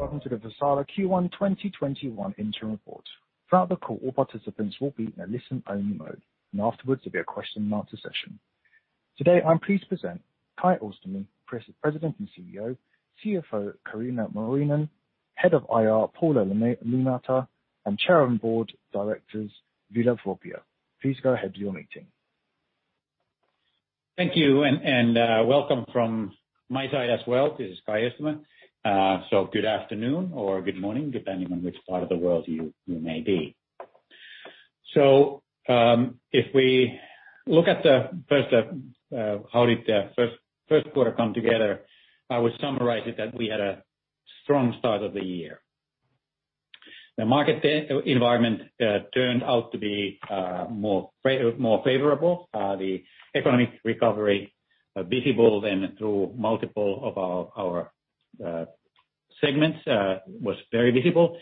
Welcome to the Vaisala Q1 2021 Interim Report. Throughout the call, all participants will be in a listen-only mode, and afterwards there'll be a question-and-answer session. Today, I'm pleased to present Kai Öistämö, President and CEO, CFO Kaarina Muurinen, Head of IR Paula Liimatta, and Chair on Board of Directors, Ville Voipio. Please go ahead with your meeting. Thank you, and welcome from my side as well. This is Kai Öistämö. Good afternoon or good morning, depending on which part of the world you may be. If we look at first how did the first quarter come together, I would summarize it that we had a strong start of the year. The market environment turned out to be more favorable. The economic recovery visible then through multiple of our segments, was very visible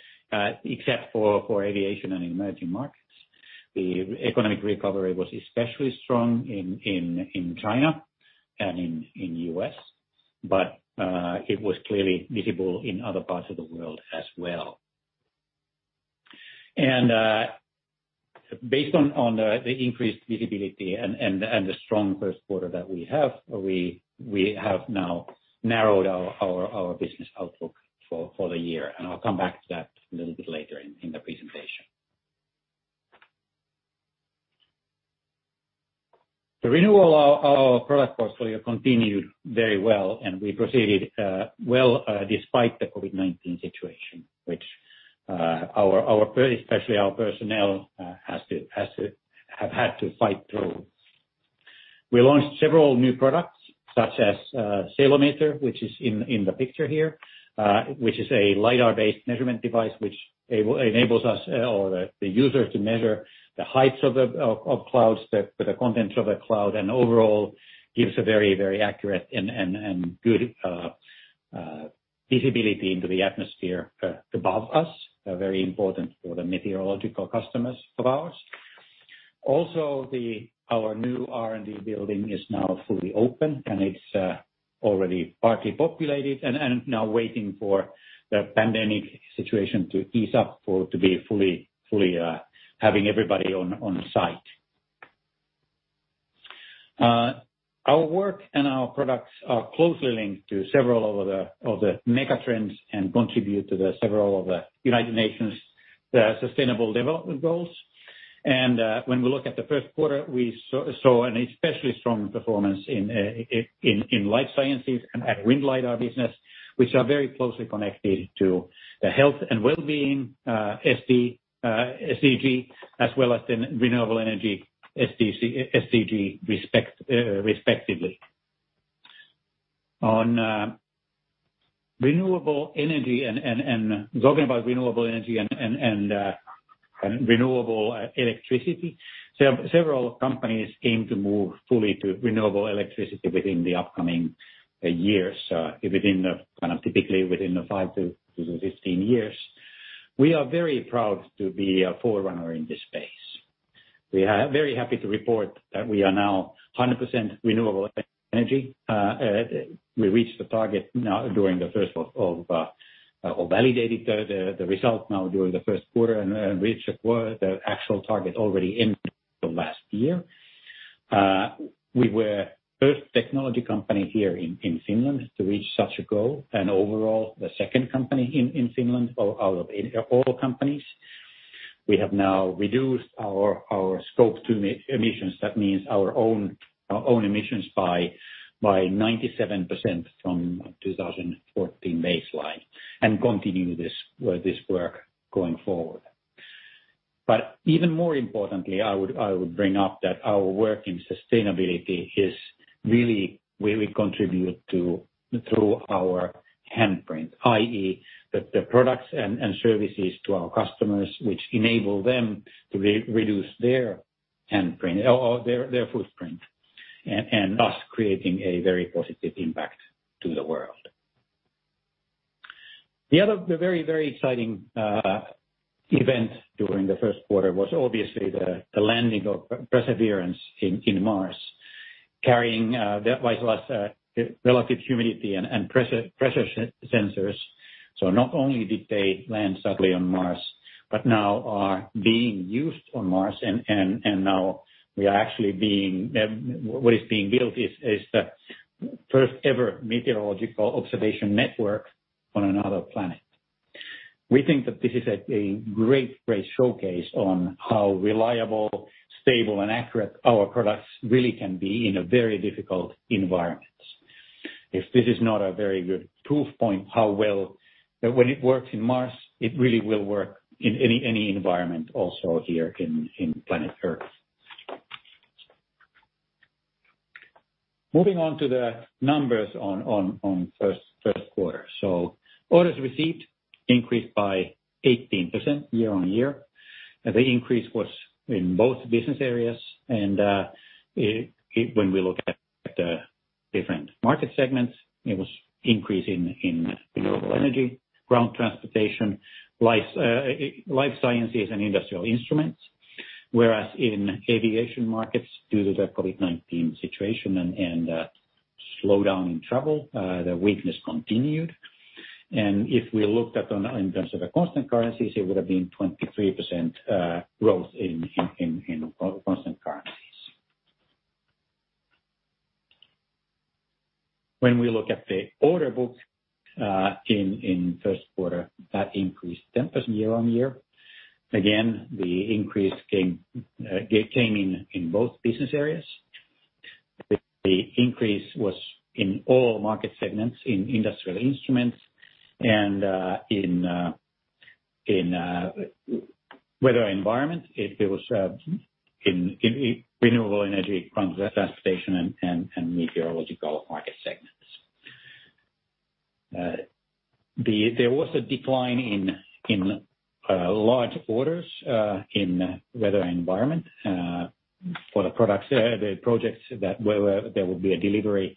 except for aviation and emerging markets. The economic recovery was especially strong in China and in U.S., it was clearly visible in other parts of the world as well. Based on the increased visibility and the strong first quarter that we have, we have now narrowed our business outlook for the year, and I'll come back to that a little bit later in the presentation. The renewal of our product portfolio continued very well, and we proceeded well despite the COVID-19 situation, which especially our personnel have had to fight through. We launched several new products such as Ceilometer, which is in the picture here, which is a lidar-based measurement device, which enables us or the user to measure the heights of clouds, the contents of a cloud, and overall gives a very accurate and good visibility into the atmosphere above us. Very important for the meteorological customers of ours. Our new R&D building is now fully open, and it's already partly populated and now waiting for the pandemic situation to ease up for it to be fully having everybody on site. Our work and our products are closely linked to several of the mega trends and contribute to the several of the United Nations Sustainable Development Goals. When we look at the first quarter, we saw an especially strong performance in life sciences and at Wind lidar business, which are very closely connected to the health and well-being SDG, as well as the renewable energy SDG respectively. Talking about renewable energy and renewable electricity, several companies aim to move fully to renewable electricity within the upcoming years, typically within the 5-15 years. We are very proud to be a forerunner in this space. We are very happy to report that we are now 100% renewable energy. We validated the result now during the first quarter, and reached the actual target already in the last year. We were first technology company here in Finland to reach such a goal, and overall, the second company in Finland out of all companies. We have now reduced our Scope 2 emissions. That means our own emissions by 97% from 2014 baseline and continue this work going forward. Even more importantly, I would bring up that our work in sustainability is really where we contribute through our handprint, i.e., the products and services to our customers, which enable them to reduce their handprint or their footprint, and thus creating a very positive impact to the world. The other very exciting event during the first quarter was obviously the landing of Perseverance in Mars, carrying Vaisala's relative humidity and pressure sensors. Not only did they land safely on Mars, but now are being used on Mars and now what is being built is the first-ever meteorological observation network on another planet. We think that this is a great showcase on how reliable, stable and accurate our products really can be in a very difficult environment. If this is not a very good proof point, when it works in Mars, it really will work in any environment also here in planet Earth. Moving on to the numbers on first quarter. Orders received increased by 18% year-on-year. The increase was in both business areas and when we look at the different market segments, it was increase in renewable energy, ground transportation, life sciences and industrial instruments. Whereas in aviation markets, due to the COVID-19 situation and slowdown in travel, the weakness continued. If we looked at in terms of the constant currencies, it would've been 23% growth in constant currencies. When we look at the order book in first quarter, that increased 10% year-on-year. Again, the increase came in both business areas. The increase was in all market segments, in industrial instruments, and in Weather and Environment. It was in renewable energy, ground transportation, and meteorological market segments. There was a decline in large orders in Weather and Environment for the projects that there will be a delivery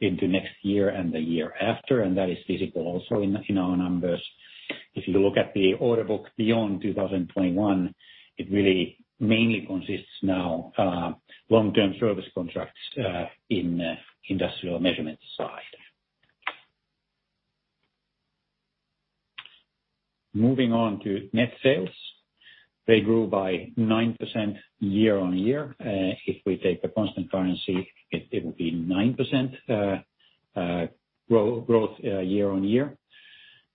into next year and the year after, and that is visible also in our numbers. If you look at the order book beyond 2021, it really mainly consists now of long-term service contracts in Industrial Measurement side. Moving on to net sales. They grew by 9% year-on-year. If we take the constant currency, it would be 9% growth year-on-year.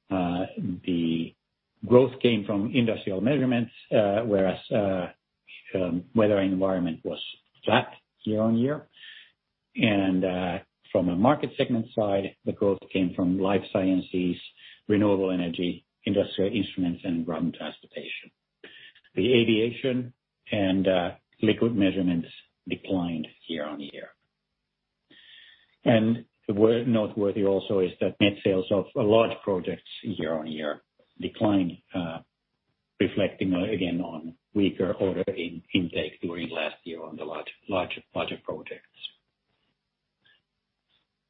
The growth came from Industrial Measurements, whereas Weather and Environment was flat year-on-year. From a market segment side, the growth came from life sciences, renewable energy, industrial instruments, and ground transportation. The aviation and liquid measurements declined year-on-year. Noteworthy also is that net sales of large projects year-on-year declined, reflecting again on weaker order intake during last year on the larger projects.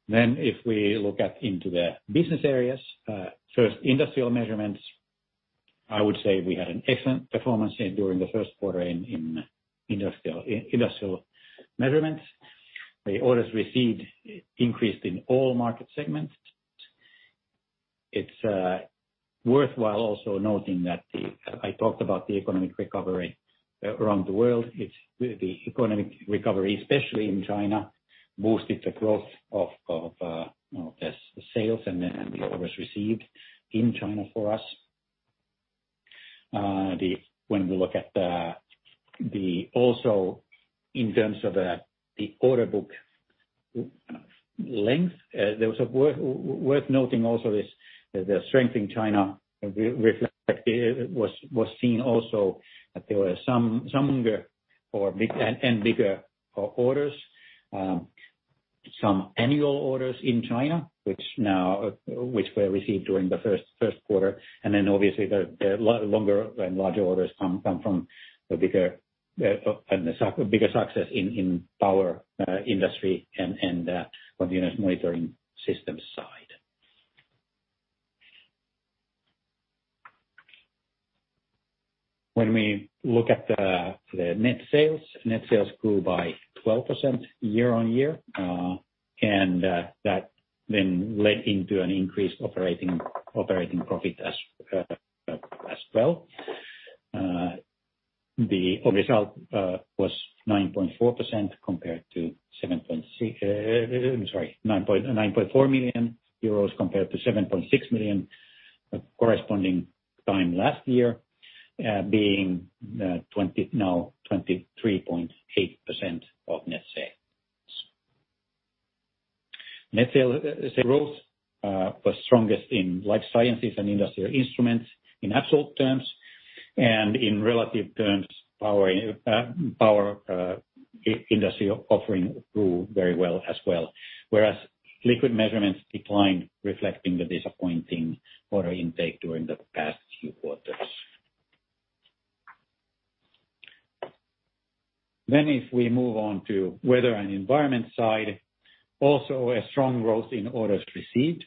If we look at into the business areas, first Industrial Measurements, I would say we had an excellent performance during the first quarter in Industrial Measurements. The orders received increased in all market segments. It's worthwhile also noting that I talked about the economic recovery around the world. The economic recovery, especially in China, boosted the growth of the sales and the orders received in China for us. We look at also in terms of the order book length, worth noting also is the strength in China reflect was seen also that there were some bigger orders, some annual orders in China, which were received during the first quarter. Obviously the longer and larger orders come from the bigger success in power industry and on the continuous monitoring system side. We look at the net sales, net sales grew by 12% year-on-year. That then led into an increased operating profit as well. The result was 9.4 million euros compared to 7.6 million corresponding time last year, being now 23.8% of net sales. Net sales growth was strongest in life sciences and industrial instruments in absolute terms, and in relative terms, power industry offering grew very well as well, whereas liquid measurements declined, reflecting the disappointing order intake during the past few quarters. If we move on to Weather and Environment side, also a strong growth in orders received.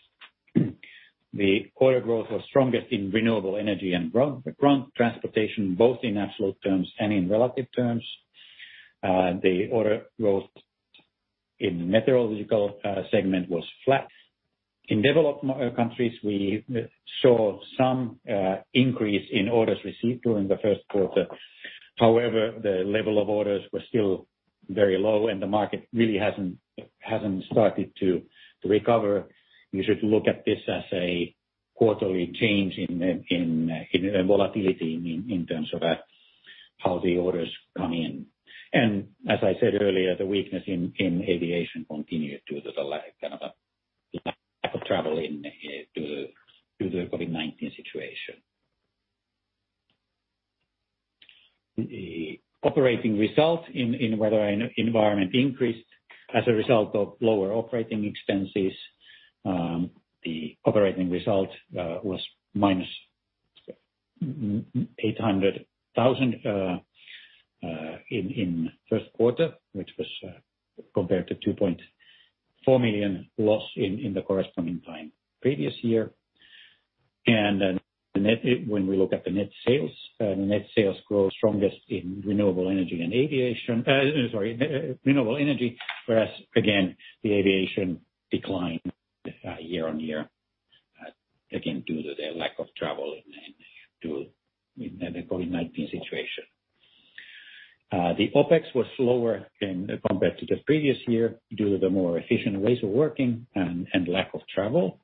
The order growth was strongest in renewable energy and ground transportation, both in absolute terms and in relative terms. The order growth in meteorological segment was flat. In developed countries, we saw some increase in orders received during the first quarter. However, the level of orders was still very low and the market really hasn't started to recover. You should look at this as a quarterly change in volatility in terms of how the orders come in. As I said earlier, the weakness in aviation continued due to the lack of travel due to the COVID-19 situation. The operating result in Weather and Environment increased as a result of lower operating expenses. The operating result was -800,000 in first quarter, which was compared to 2.4 million loss in the corresponding time previous year. When we look at the net sales, the net sales grow strongest in renewable energy and aviation. Sorry, renewable energy. Again, the aviation declined year-on-year, again, due to the lack of travel and the COVID-19 situation. The OpEx was slower compared to the previous year due to the more efficient ways of working and lack of travel,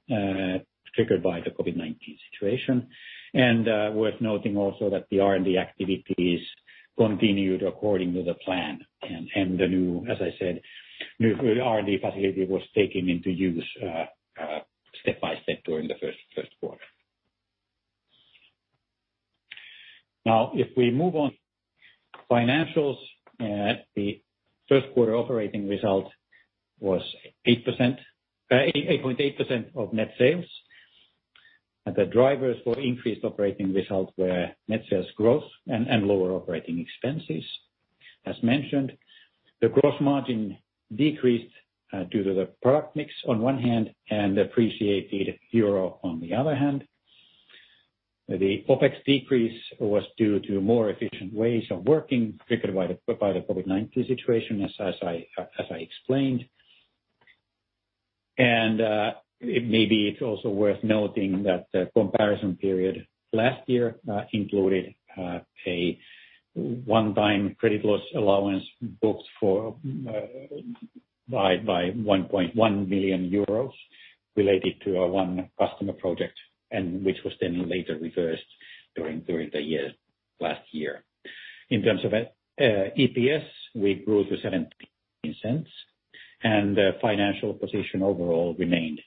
triggered by the COVID-19 situation. Worth noting also that the R&D activities continued according to the plan. The new, as I said, new R&D facility was taken into use step by step during the first quarter. If we move on financials, the first quarter operating result was 8.8% of net sales. The drivers for increased operating results were net sales growth and lower operating expenses. As mentioned, the gross margin decreased due to the product mix on one hand and appreciated euro on the other hand. The OpEx decrease was due to more efficient ways of working, triggered by the COVID-19 situation, as I explained. Maybe it's also worth noting that the comparison period last year included a one-time credit loss allowance booked by 1.1 million euros related to our one customer project, which was then later reversed during the last year. In terms of EPS, we grew to 0.17, and the financial position overall remained.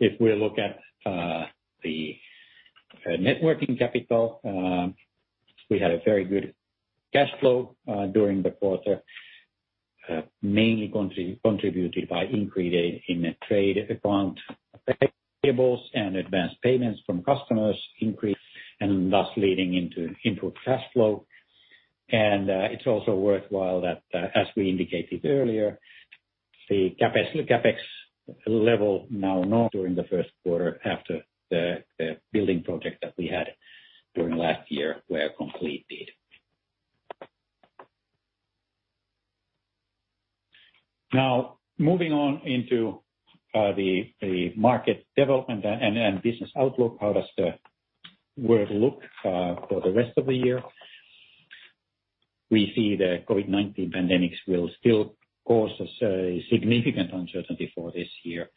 If we look at the net working capital, we had a very good cash flow during the quarter, mainly contributed by increase in trade account payables and advanced payments from customers increased, and thus leading into improved cash flow. It's also worthwhile that, as we indicated earlier, the CapEx level now during the first quarter after the building project that we had during last year were completed. Moving on into the market development and business outlook, how does the world look for the rest of the year? We see the COVID-19 pandemics will still cause a significant uncertainty for this year.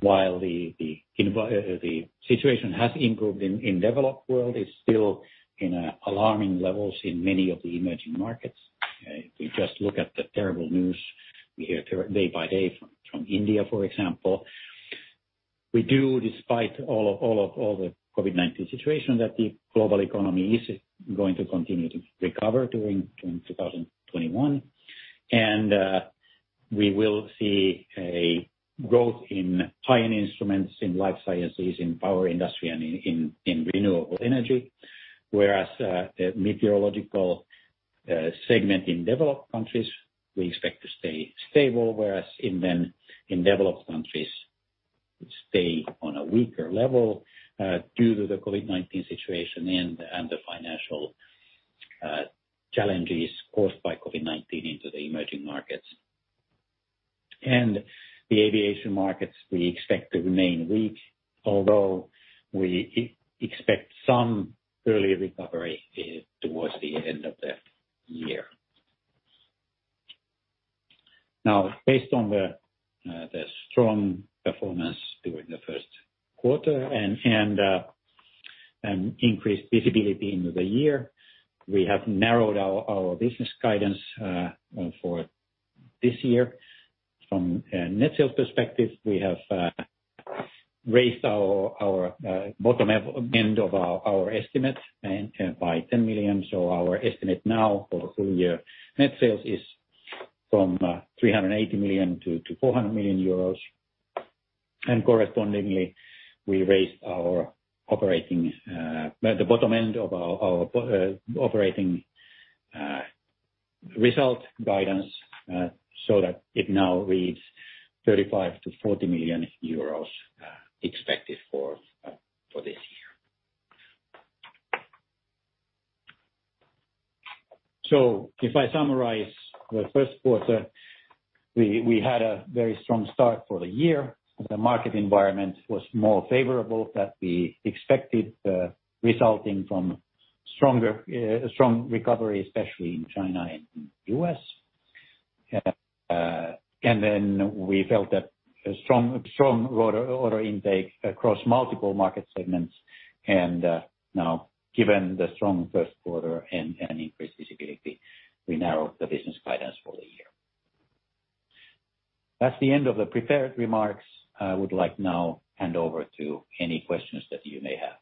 While the situation has improved in developed world, it's still in alarming levels in many of the emerging markets. If we just look at the terrible news we hear day by day from India, for example. We do, despite all the COVID-19 situation, that the global economy is going to continue to recover during 2021. We will see a growth in industrial instruments, in life sciences, in power industry, and in renewable energy, whereas the meteorological segment in developed countries, we expect to stay stable, whereas in developed countries would stay on a weaker level due to the COVID-19 situation and the financial challenges caused by COVID-19 into the emerging markets. The aviation markets, we expect to remain weak, although we expect some early recovery towards the end of the year. Now, based on the strong performance during the first quarter and increased visibility in the year, we have narrowed our business guidance for this year. From a net sales perspective, we have raised our bottom end of our estimates by 10 million. Our estimate now for full-year net sales is from 380 million-400 million euros. Correspondingly, we raised the bottom end of our operating result guidance so that it now reads 35 million-40 million euros expected for this year. If I summarize the first quarter, we had a very strong start for the year. The market environment was more favorable than we expected, resulting from a strong recovery, especially in China and U.S. Then we felt a strong order intake across multiple market segments and now, given the strong first quarter and increased visibility, we narrow the business guidance for the year. That's the end of the prepared remarks. I would like now hand over to any questions that you may have.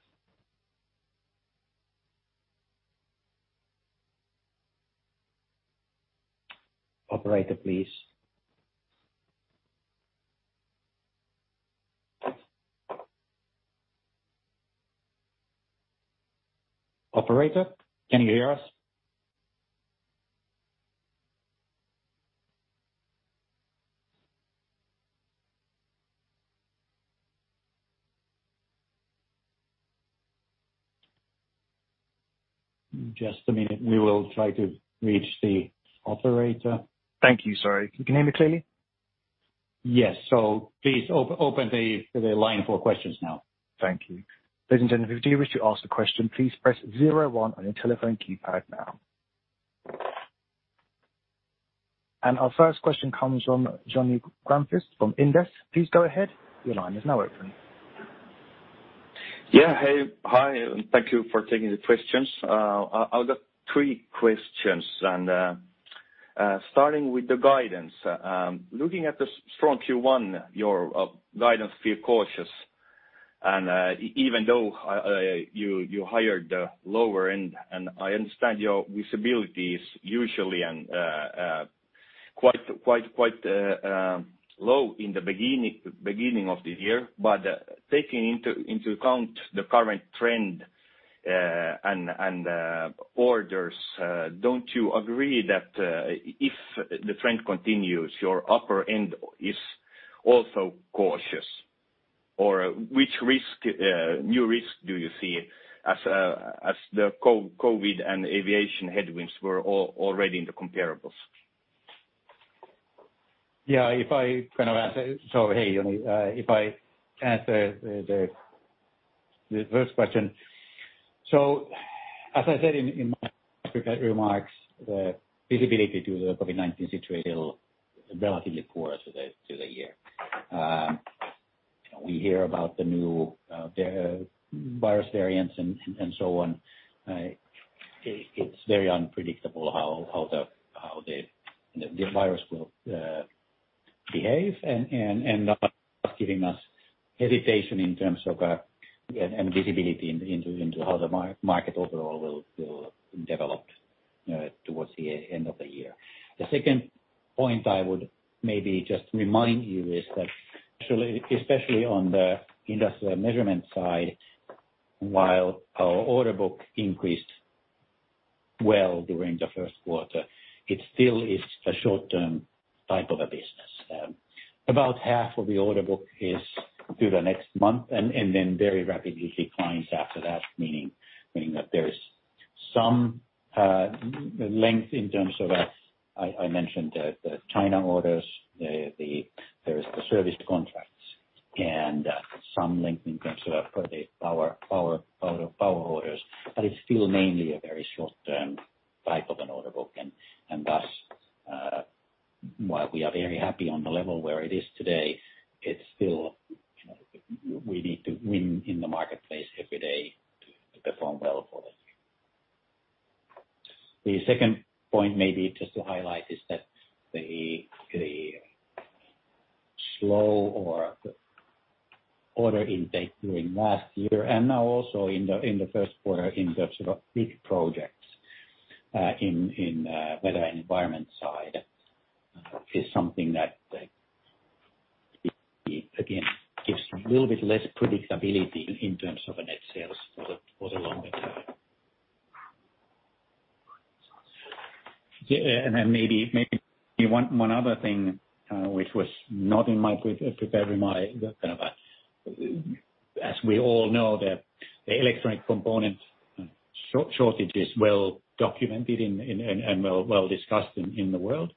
Operator, please. Operator, can you hear us? Just a minute. We will try to reach the operator. Thank you. Sorry. You can hear me clearly? Yes. Please open the line for questions now. Thank you. Ladies and gentlemen, if you wish to ask a question, please press zero, one on your telephone keypad now. Our first question comes from Joni Grönqvist from Inderes. Please go ahead. Your line is now open. Yeah. Hey. Hi, thank you for taking the questions. I've got three questions, and starting with the guidance. Looking at the strong Q1, your guidance feel cautious. Even though you guided lower end, and I understand your visibility is usually quite low in the beginning of the year. Taking into account the current trend and orders, don't you agree that if the trend continues, your upper end is also cautious? Which new risk do you see as the COVID and aviation headwinds were already in the comparables? Yeah. Hey, Joni. If I answer the first question. As I said in my prepared remarks, the visibility to the COVID-19 situation, relatively poor to the year. We hear about the new virus variants and so on. It's very unpredictable how the virus will behave and thus giving us hesitation in terms of visibility into how the market overall will develop towards the end of the year. The second point I would maybe just remind you is that, especially on the Industrial Measurements side, while our order book increased well during the first quarter, it still is a short-term type of a business. About half of the order book is through the next month and then very rapidly declines after that, meaning that there is some length in terms of, I mentioned the China orders, there is the service contracts and some length in terms of the power orders. It's still mainly a very short-term type of an order book. Thus, while we are very happy on the level where it is today, we need to win in the marketplace every day to perform well for them. The second point maybe just to highlight is that the slow or order intake during last year, and now also in the first quarter in the sort of big projects in Weather and Environment side, is something that, again, gives a little bit less predictability in terms of a net sales for the longer term. Yeah, maybe one other thing which was not prepared. As we all know, the electronic component shortage is well documented and well discussed in the world.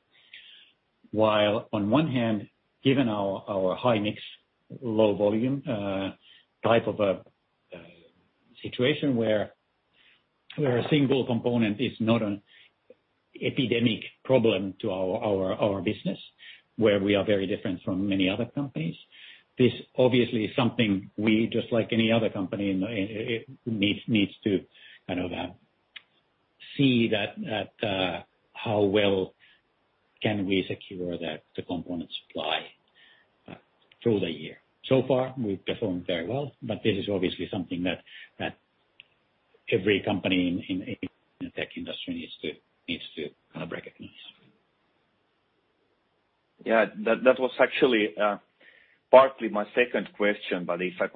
While on one hand, given our high mix, low volume type of a situation where a single component is not an systemic problem to our business, where we are very different from many other companies. This obviously is something we, just like any other company, needs to kind of see that how well can we secure the component supply through the year. So far, we've performed very well, this is obviously something that every company in the tech industry needs to kind of recognize. Yeah, that was actually partly my second question. If I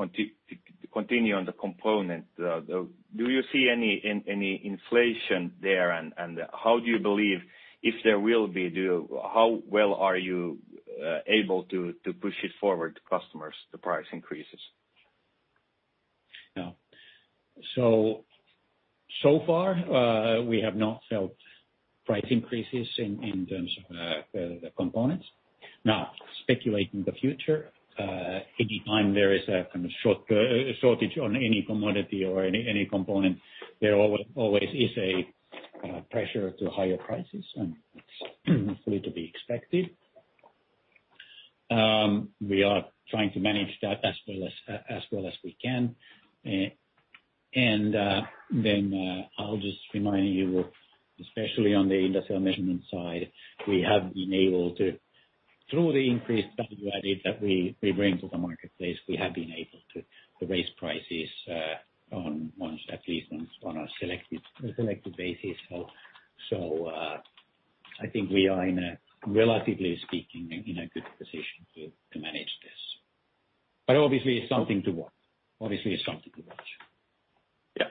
continue on the component, do you see any inflation there, and how do you believe if there will be, how well are you able to push it forward to customers, the price increases? Far, we have not felt price increases in terms of the components. Speculating the future, anytime there is a kind of shortage on any commodity or any component, there always is a pressure to higher prices, and it's fully to be expected. We are trying to manage that as well as we can. I'll just remind you, especially on the industrial instruments side, through the increased value added that we bring to the marketplace, we have been able to raise prices at least on a selective basis. I think we are, relatively speaking, in a good position to manage this. But obviously, it's something to watch. Yeah.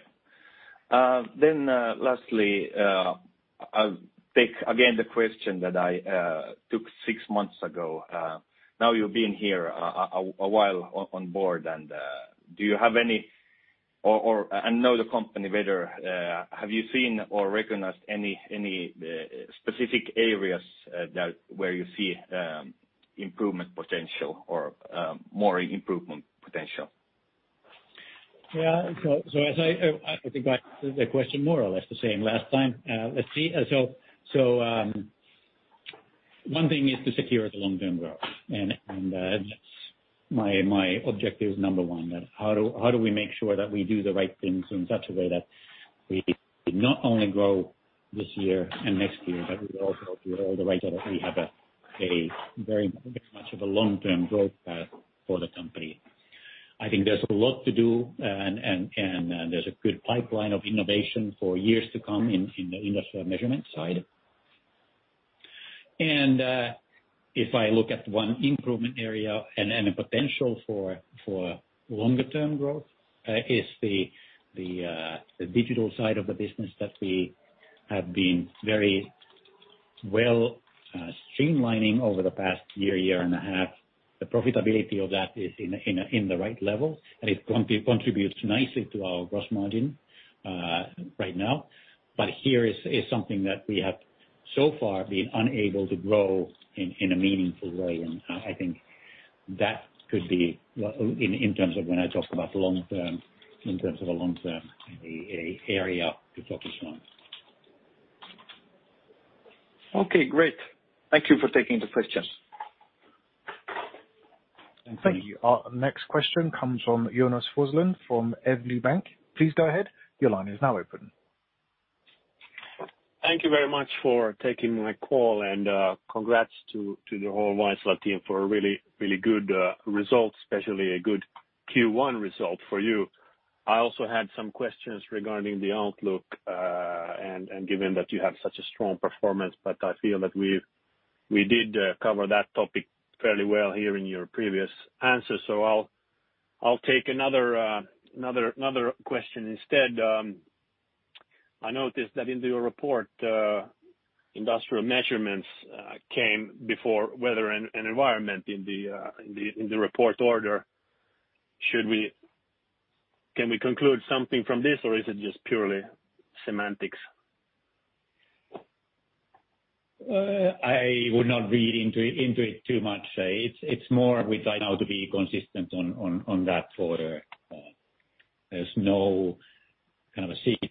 Lastly, I'll take again the question that I took six months ago. Now you've been here a while on board, and know the company better. Have you seen or recognized any specific areas where you see improvement potential or more improvement potential? Yeah. I think I answered the question more or less the same last time. Let's see. One thing is to secure the long-term growth and that's my objective number one, how do we make sure that we do the right things in such a way that we not only grow this year and next year, but we also do it all the right way, that we have a very much of a long-term growth path for the company. I think there's a lot to do, and there's a good pipeline of innovation for years to come in the industrial measurement side. If I look at one improvement area and a potential for longer term growth is the digital side of the business that we have been very well streamlining over the past year and a half. The profitability of that is in the right level, and it contributes nicely to our gross margin right now. Here is something that we have so far been unable to grow in a meaningful way. I think that could be, in terms of when I talk about the long term, in terms of a long-term, an area to focus on. Okay, great. Thank you for taking the question. Thank you. Thank you. Our next question comes from Jonas Forslund from Evli Bank. Please go ahead. Your line is now open. Thank you very much for taking my call, and congrats to the whole Vaisala team for a really good result, especially a good Q1 result for you. I also had some questions regarding the outlook, and given that you have such a strong performance, but I feel that we did cover that topic fairly well here in your previous answer. I'll take another question instead. I noticed that in your report, Industrial Measurements came before Weather and Environment in the report order. Can we conclude something from this, or is it just purely semantics? I would not read into it too much. It's more we try now to be consistent on that order. There's no kind of a secret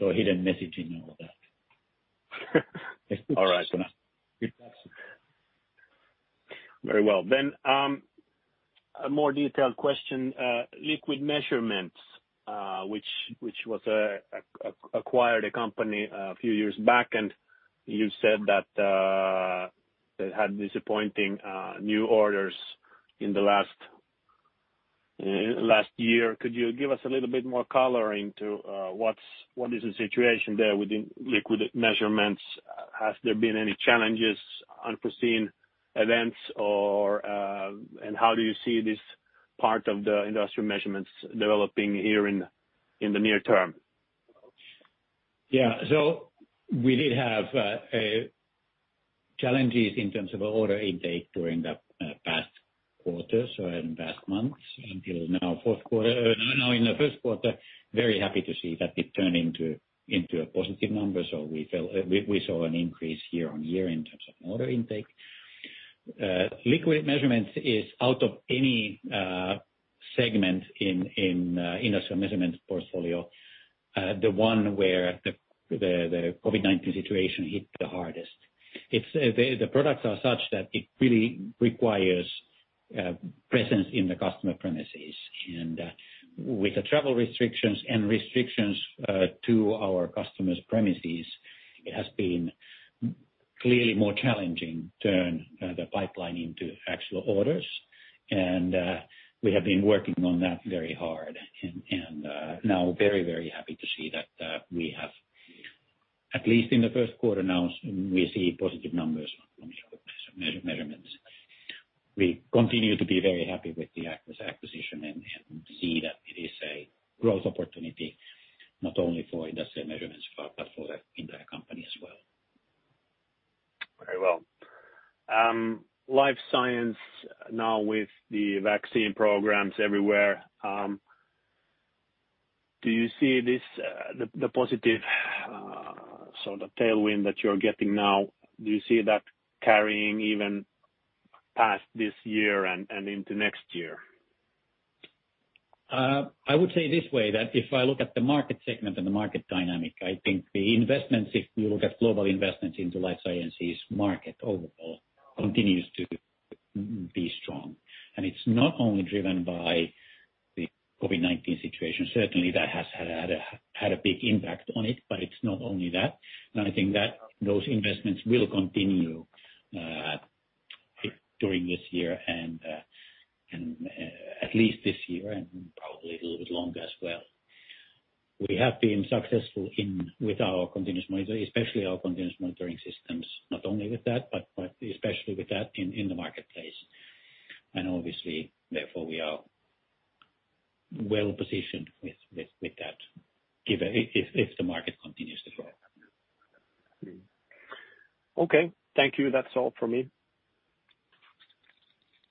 or hidden message in all that. All right. Good question. Very well. A more detailed question. Liquid measurements which acquired a company a few years back, and you said that had disappointing new orders in the last year. Could you give us a little bit more color into what is the situation there within liquid measurements? Has there been any challenges, unforeseen events, or how do you see this part of the Industrial Measurements developing here in the near term? We did have challenges in terms of order intake during that past quarter, so in past months, until now fourth quarter. In the first quarter, very happy to see that it turned into a positive number. We saw an increase year-on-year in terms of order intake. Liquid measurements is out of any segment in Industrial Measurements portfolio, the one where the COVID-19 situation hit the hardest. The products are such that it really requires presence in the customer premises. With the travel restrictions and restrictions to our customer's premises, it has been clearly more challenging to turn the pipeline into actual orders. We have been working on that very hard and now very happy to see that we have, at least in the first quarter now, we see positive numbers on measurements. We continue to be very happy with the acquisition and see that it is a growth opportunity not only for Industrial Measurements, but for the entire company as well. Very well. Life science now with the vaccine programs everywhere, do you see the positive sort of tailwind that you're getting now, do you see that carrying even past this year and into next year? I would say this way, that if I look at the market segment and the market dynamic, I think the investments, if we look at global investments into life sciences market overall continues to be strong. It's not only driven by the COVID-19 situation. Certainly that has had a big impact on it. It's not only that. I think that those investments will continue during this year and at least this year, and probably a little bit longer as well. We have been successful with our continuous monitor, especially our Continuous Monitoring Systems, not only with that, but especially with that in the marketplace. Obviously, therefore, we are well-positioned with that if the market continues to grow. Okay. Thank you. That's all from me.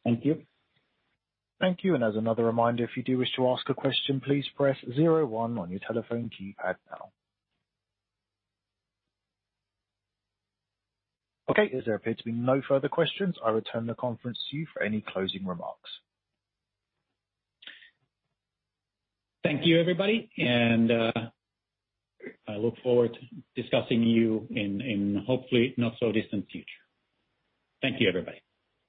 Thank you. Thank you. As another reminder, if you do wish to ask a question, please press zero, one on your telephone keypad now. Okay, as there appear to be no further questions, I return the conference to you for any closing remarks. Thank you, everybody, and I look forward discussing you in hopefully not so distant future. Thank you, everybody.